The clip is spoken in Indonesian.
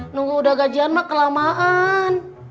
nunggu udah gajian mah kelamaan